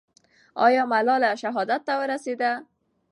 آیا ملالۍ شهادت ته ورسېده؟